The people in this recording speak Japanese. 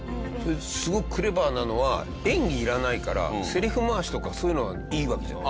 すごくクレバーなのは演技いらないからせりふ回しとかそういうのはいいわけじゃない。